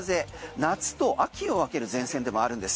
夏と秋を分ける前線でもあるんです。